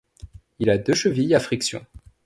Il a deux chevilles à friction.